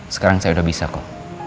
sekarang saya udah bisa kok